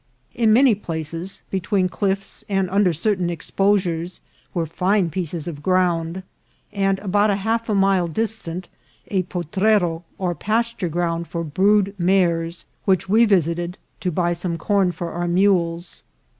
In many places, between cliffs and under certain exposures, were fine pieces of ground, and about half a mile distant a potrero or pasture ground for brood mares, which we visited to buy some corn for our mules.